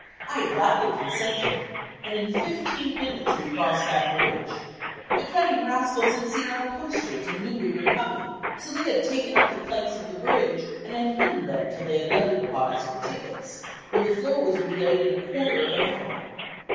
I gladly consented and in fifteen minutes we crossed that bridge. The cunning rascals had seen our posters and knew we were coming; so they had taken up the planks of the bridge and had hidden them till they had levied upon us for tickets, when the floor was re laid in a quarter of an hour.